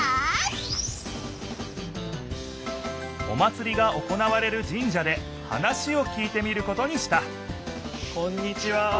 お祭りが行われるじん社で話を聞いてみることにしたこんにちは。